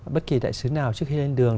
bất kỳ đại sứ nào trước khi lên đường